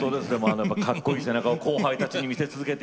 かっこいい背中を後輩たちに見せつけて。